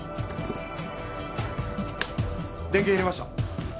電源入れました。